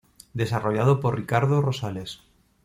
Desarrollado por Ricardo Rosales.